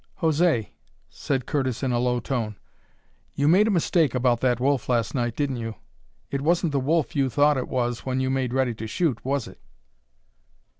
"José," said Curtis in a low tone, "you made a mistake about that wolf last night, didn't you? It wasn't the wolf you thought it was when you made ready to shoot, was it?"